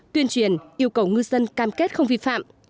tuyên truyền yêu cầu ngư dân cam kết không vi phạm